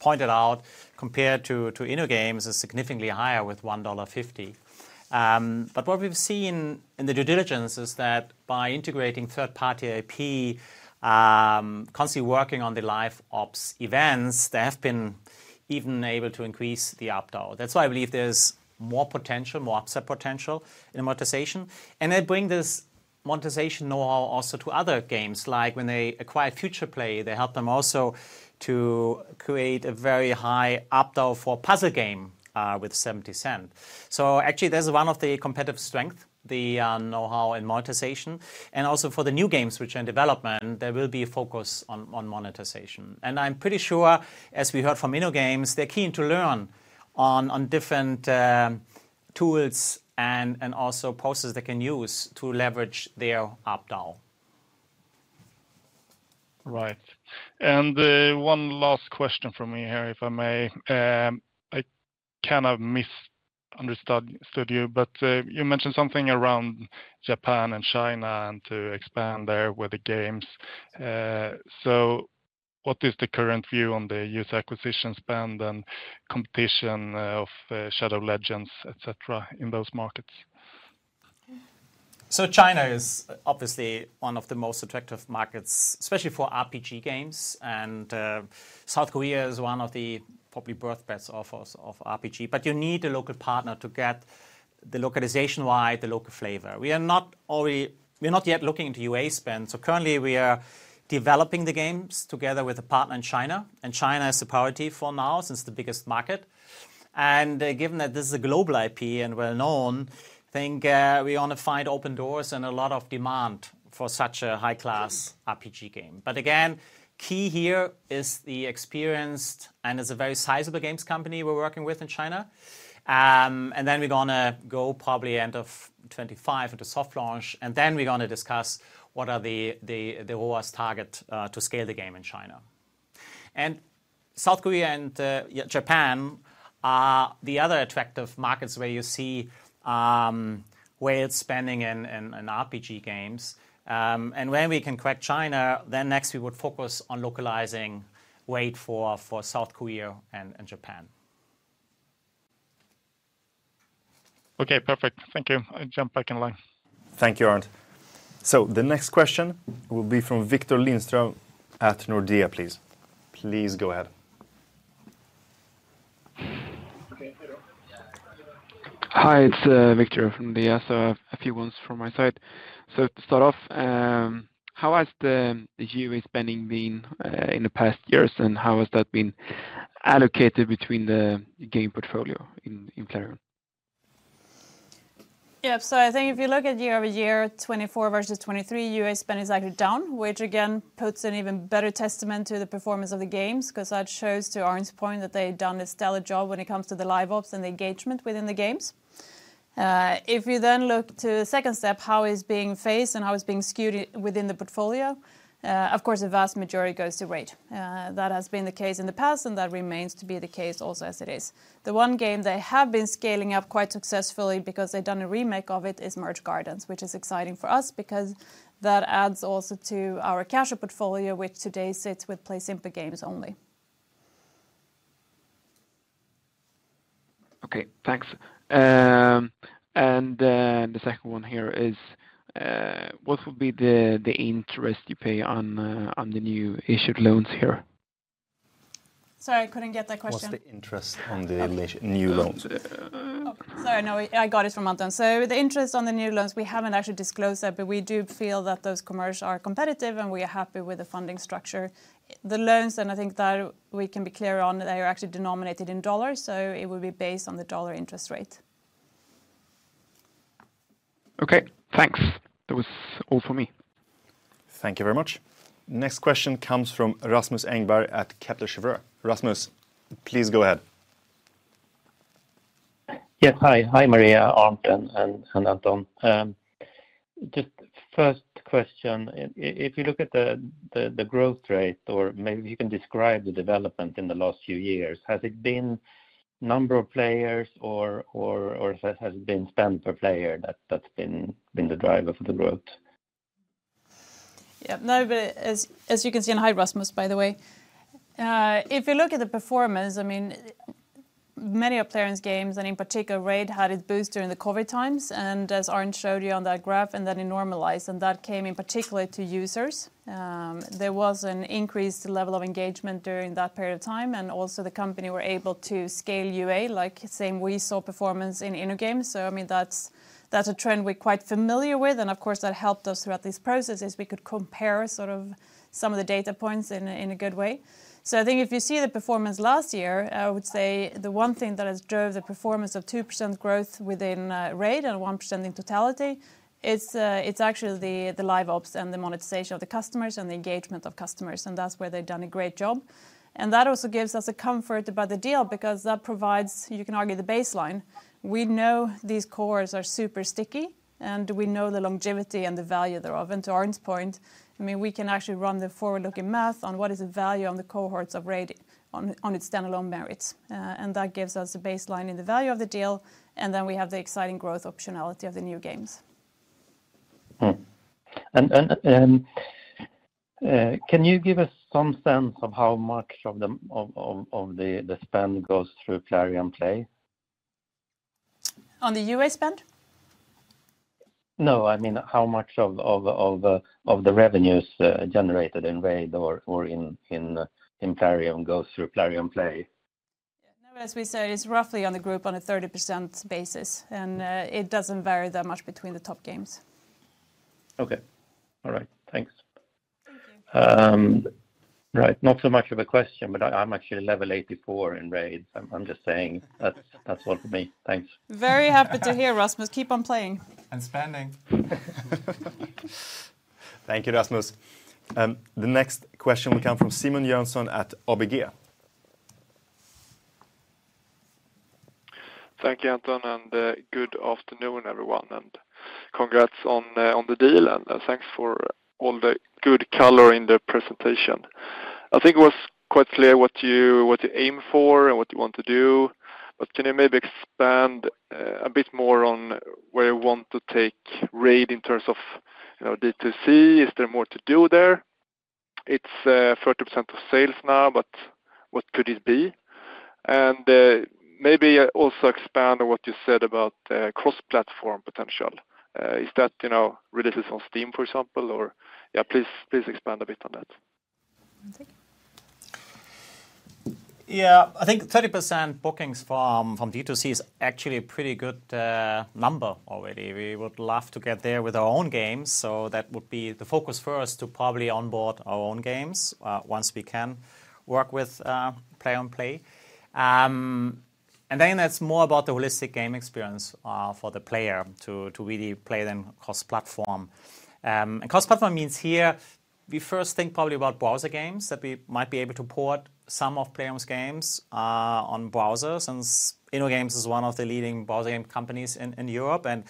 pointed out, compared to InnoGames, it's significantly higher with $1.50. But what we've seen in the due diligence is that by integrating third-party IP, constantly working on the LiveOps events, they have been even able to increase the ARPDAU. That's why I believe there's more potential, more upside potential in monetization. They bring this monetization know-how also to other games, like when they acquire Futureplay, they help them also to create a very high ARPDAU for puzzle game with $0.70. So actually, that's one of the competitive strengths, the know-how in monetization. And also for the new games, which are in development, there will be a focus on monetization. And I'm pretty sure, as we heard from InnoGames, they're keen to learn on different tools and also processes they can use to leverage their ARPDAU. Right. And one last question from me here, if I may. I kind of misunderstood you, but you mentioned something around Japan and China and to expand there with the games. So what is the current view on the user acquisition spend and competition of Shadow Legends, etc., in those markets? So China is obviously one of the most attractive markets, especially for RPG games. And South Korea is one of the probable birthplaces of RPG. But you need a local partner to get the localization right, the local flavor. We are not yet looking into UA spend. So currently, we are developing the games together with a partner in China. And China is the priority for now since the biggest market. And given that this is a global IP and well-known, I think we want to find open doors and a lot of demand for such a high-class RPG game. But again, key here is the expertise and it's a very sizable games company we're working with in China. And then we're going to go probably end of 2025 into soft launch. And then we're going to discuss what are the ROAS target to scale the game in China. South Korea and Japan are the other attractive markets where you see high spending in RPG games. When we can crack China, then next we would focus on localizing RAID for South Korea and Japan. Okay. Perfect. Thank you. I'll jump back in line. Thank you, Arnd. So the next question will be from Viktor Lindström at Nordea, please. Please go ahead. Hi, it's Viktor from Nordea. So a few questions from my side. So to start off, how has the UA spending been in the past years and how has that been allocated between the game portfolio in Plarium? Yep. I think if you look at year over year, 2024 versus 2023, UA spend is actually down, which again puts an even better testament to the performance of the games because that shows to Arnd's point that they've done a stellar job when it comes to the LiveOps and the engagement within the games. If you then look to the second half, how it's being phased and how it's being skewed within the portfolio, of course, a vast majority goes to RAID. That has been the case in the past and that remains to be the case also as it is. The one game they have been scaling up quite successfully because they've done a remake of it is Merge Gardens, which is exciting for us because that adds also to our casual portfolio, which today sits with PlaySimple Games only. Okay. Thanks. And the second one here is what will be the interest you pay on the new issued loans here? Sorry, I couldn't get that question. What's the interest on the new loans? Sorry, I got it from Anton. So the interest on the new loans, we haven't actually disclosed that, but we do feel that those commercials are competitive and we are happy with the funding structure. The loans, and I think that we can be clear on, they are actually denominated in dollars, so it will be based on the dollar interest rate. Okay. Thanks. That was all for me. Thank you very much. Next question comes from Rasmus Engberg at Kepler Cheuvreux. Rasmus, please go ahead. Yes. Hi. Hi, Maria, Arnd, and Anton. Just first question, if you look at the growth rate or maybe if you can describe the development in the last few years, has it been number of players or has it been spend per player that's been the driver for the growth? Yeah. No, but as you can see. Hi, Rasmus, by the way, if you look at the performance, I mean, many of Plarium's games and in particular RAID had its boost during the COVID times. And as Arnd showed you on that graph, and then it normalized. And that came in particular to users. There was an increased level of engagement during that period of time. And also the company were able to scale UA, like same we saw performance in InnoGames. So I mean, that's a trend we're quite familiar with. And of course, that helped us throughout this process as we could compare sort of some of the data points in a good way. So I think if you see the performance last year, I would say the one thing that has drove the performance of 2% growth within RAID and 1% in totality is it's actually the LiveOps and the monetization of the customers and the engagement of customers. And that's where they've done a great job. And that also gives us a comfort about the deal because that provides, you can argue the baseline. We know these cores are super sticky and we know the longevity and the value thereof. And to Arnd's point, I mean, we can actually run the forward-looking math on what is the value on the cohorts of RAID on its standalone merits. And that gives us a baseline in the value of the deal. And then we have the exciting growth optionality of the new games. And can you give us some sense of how much of the spend goes through Plarium Play? On the UA spend? No, I mean, how much of the revenues generated in RAID or in Plarium goes through Plarium Play? Yeah. No, as we said, it's roughly on the group on a 30% basis. And it doesn't vary that much between the top games. Okay. All right. Thanks. Right. Not so much of a question, but I'm actually level 84 in RAID. I'm just saying that's all for me. Thanks. Very happy to hear, Rasmus. Keep on playing. And spending. Thank you, Rasmus. The next question will come from Simon Jönsson at ABG. Thank you, Anton. And good afternoon, everyone. And congrats on the deal. And thanks for all the good color in the presentation. I think it was quite clear what you aim for and what you want to do. But can you maybe expand a bit more on where you want to take RAID in terms of D2C? Is there more to do there? It's 30% of sales now, but what could it be? And maybe also expand on what you said about cross-platform potential. Is that releases on Steam, for example? Or yeah, please expand a bit on that. Yeah. I think 30% bookings from D2C is actually a pretty good number already. We would love to get there with our own games. So that would be the focus first to probably onboard our own games once we can work with Plarium Play. And then it's more about the holistic game experience for the player to really play them cross-platform. And cross-platform means here we first think probably about browser games that we might be able to port some of Plarium's games on browsers since InnoGames is one of the leading browser game companies in Europe. And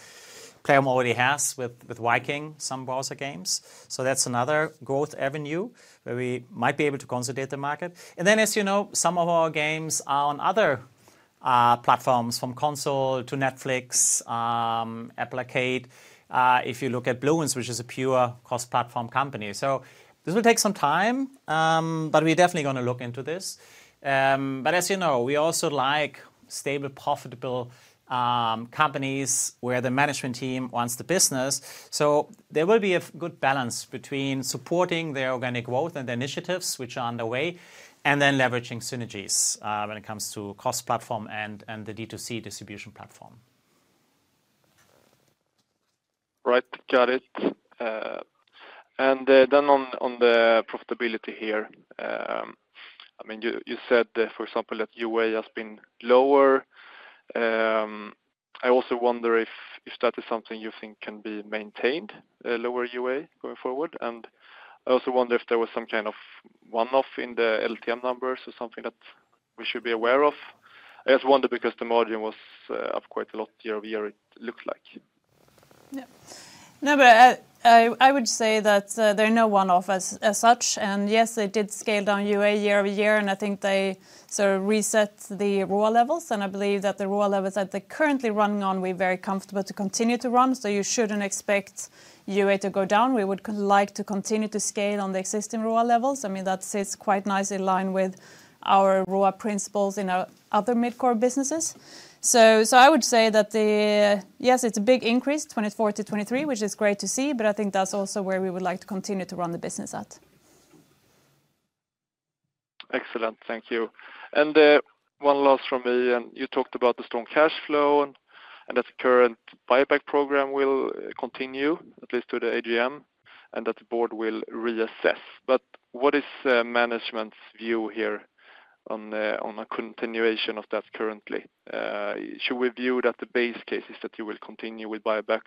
Plarium already has with Vikings some browser games. So that's another growth avenue where we might be able to consolidate the market. And then, as you know, some of our games are on other platforms from console to Netflix, Apple Arcade. If you look at Bloons, which is a pure cross-platform company. So this will take some time, but we're definitely going to look into this. But as you know, we also like stable, profitable companies where the management team wants the business. So there will be a good balance between supporting their organic growth and the initiatives which are underway and then leveraging synergies when it comes to cross-platform and the D2C distribution platform. Right. Got it. And then on the profitability here, I mean, you said, for example, that UA has been lower. I also wonder if that is something you think can be maintained, lower UA going forward. And I also wonder if there was some kind of one-off in the LTM numbers or something that we should be aware of. I just wonder because the margin was up quite a lot year over year, it looks like. Yeah. No, but I would say that there are no one-offs as such. And yes, they did scale down UA year over year. And I think they sort of reset the ROAS levels. I believe that the ROAS levels that they're currently running on. We're very comfortable to continue to run. So you shouldn't expect UA to go down. We would like to continue to scale on the existing ROAS levels. I mean, that sits quite nicely in line with our ROAS principles in other mid-core businesses. So I would say that the, yes, it's a big increase 24 to 23, which is great to see. But I think that's also where we would like to continue to run the business at. Excellent. Thank you. One last from me. You talked about the strong cash flow and that the current buyback program will continue, at least to the AGM, and that the board will reassess. What is management's view here on a continuation of that currently? Should we view that the base case is that you will continue with buybacks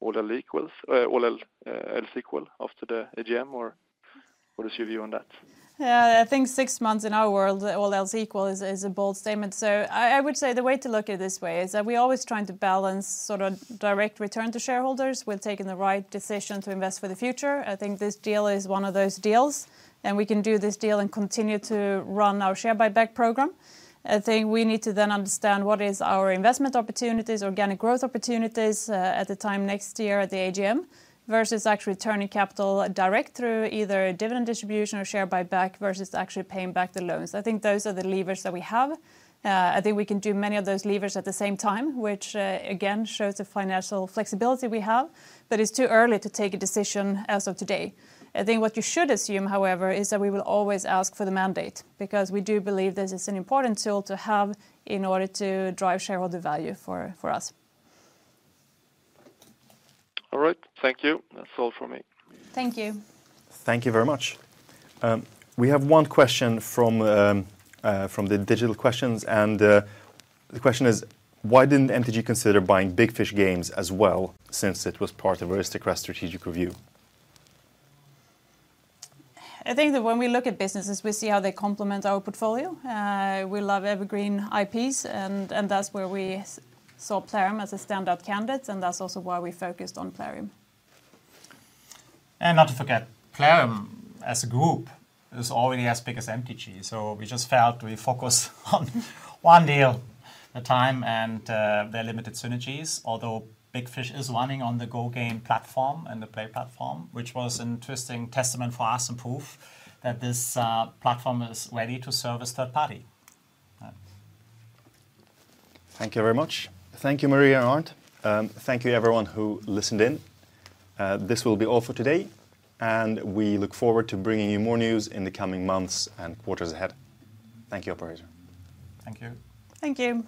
all else equal after the AGM, or what is your view on that? Yeah. I think six months in our world, all else equal is a bold statement. So I would say the way to look at it this way is that we're always trying to balance sort of direct return to shareholders with taking the right decision to invest for the future. I think this deal is one of those deals. And we can do this deal and continue to run our share buyback program. I think we need to then understand what are our investment opportunities, organic growth opportunities at the time next year at the AGM versus actually turning capital direct through either dividend distribution or share buyback versus actually paying back the loans. I think those are the levers that we have. I think we can do many of those levers at the same time, which again shows the financial flexibility we have, but it's too early to take a decision as of today. I think what you should assume, however, is that we will always ask for the mandate because we do believe this is an important tool to have in order to drive shareholder value for us. All right. Thank you. That's all for me. Thank you. Thank you very much. We have one question from the digital questions. And the question is, why didn't MTG consider buying Big Fish Games as well since it was part of Aristocrat's strategic review? I think that when we look at businesses, we see how they complement our portfolio. We love evergreen IPs. And that's where we saw Plarium as a standout candidate. And that's also why we focused on Plarium. And not to forget, Plarium as a group is already as big as MTG. So we just felt we focused on one deal at a time and their limited synergies, although Big Fish is running on the GoGame platform and the Play platform, which was an interesting testament for us and proof that this platform is ready to service third-party. Thank you very much. Thank you, Maria and Arnd. Thank you, everyone who listened in. This will be all for today. And we look forward to bringing you more news in the coming months and quarters ahead. Thank you, Operator. Thank you. Thank you.